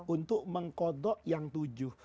untuk mengkodok yang tujuh